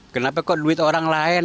kenapa kok duit orang lain